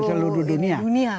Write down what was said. ke seluruh dunia ya